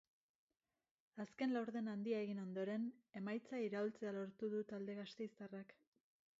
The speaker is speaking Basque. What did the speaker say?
Azken laurden handia egin ondoren, emaitza iraultzea lortu du talde gasteiztarrak.